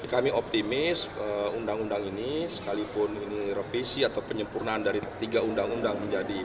kami optimis undang undang ini sekalipun ini revisi atau penyempurnaan dari tiga undang undang menjadi